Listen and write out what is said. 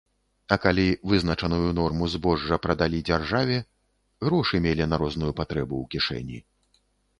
А калі вызначаную норму збожжа прадалі дзяржаве, грошы мелі на розную патрэбу ў кішэні.